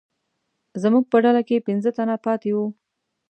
زموږ په ډله کې پنځه تنه پاتې وو.